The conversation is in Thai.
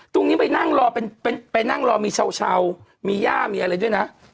ตรงนี้ไปนั่งรอเป็นไปนั่งรอมีเช้ามีย่ามีอะไรด้วยนะ